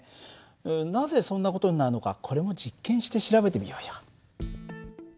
なぜそんな事になるのかこれも実験して調べてみようよ。